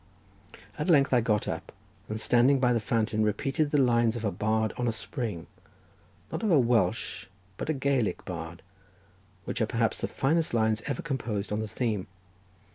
At length I got up, and standing by the fountain repeated the lines of a bard on a spring, not of a Welsh but a Gaelic bard, which are perhaps the finest lines ever composed on the theme.